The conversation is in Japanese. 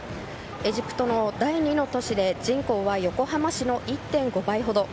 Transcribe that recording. エジプトの第２の都市で人口は横浜市の１．５倍ほど。